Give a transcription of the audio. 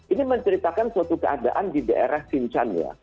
ini menceritakan suatu keadaan di daerah sinchan ya